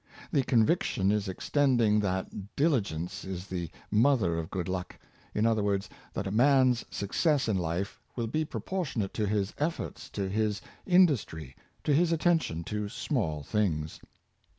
The conviction is extending that diligence is the mother of good luck; in other words, that a man's success in life will be pro portionate to his efforts, to his industry, to his attention to small things.